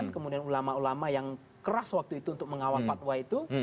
kemudian ulama ulama yang keras waktu itu untuk mengawal fatwa itu